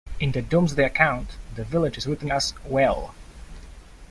In the "Domesday" account the village is written as "Hwelle".